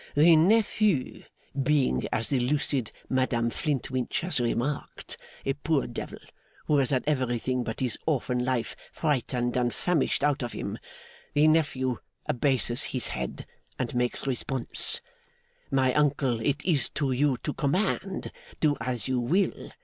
'The nephew, being, as the lucid Madame Flintwinch has remarked, a poor devil who has had everything but his orphan life frightened and famished out of him the nephew abases his head, and makes response: "My uncle, it is to you to command. Do as you will!"